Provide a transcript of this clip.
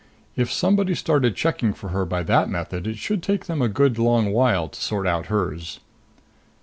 If somebody started checking for her by that method, it should take them a good long while to sort out hers.